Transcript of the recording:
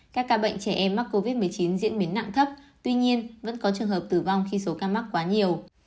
các ca bệnh trẻ em mắc covid một mươi chín diễn biến nặng thấp tuy nhiên vẫn có trường hợp tử vong khi số ca mắc quá nhiều